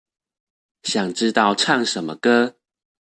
想知道唱什麼歌